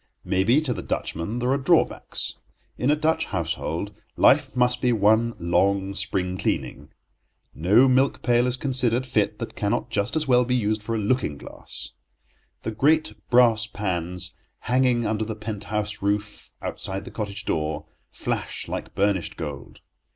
Maybe to the Dutchman there are drawbacks. In a Dutch household life must be one long spring cleaning. No milk pail is considered fit that cannot just as well be used for a looking glass. The great brass pans, hanging under the pent house roof outside the cottage door, flash like burnished gold.